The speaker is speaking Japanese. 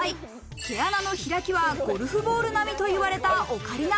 毛穴の開きはゴルフボール並みと言われたオカリナ。